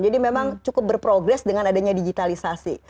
jadi memang cukup berprogress dengan adanya digitalisasi